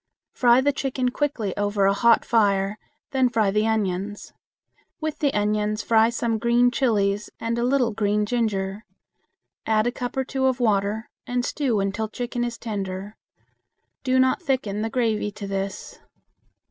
Fry the chicken quickly over a hot fire, then fry the onions. With the onions fry some green chilies and a little green ginger; add a cup or two of water and stew until chicken is tender. Do not thicken the gravy to this.